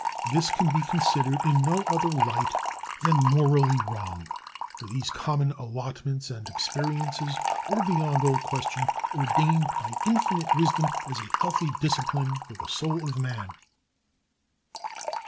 This can be considered in no other light than morally wrong, for these common allotments and experiences were, beyond all question, ordained by infinite wisdom as a healthy discipline for the soul of man.